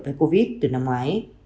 với covid từ năm ngoái